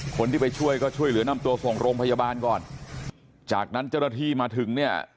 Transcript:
คนที่ไปช่วยก็ช่วยเหลือนำตัวส่งโรงพยาบาลก่อนจากนั้นเจ้าหน้าที่มาถึงเนี่ย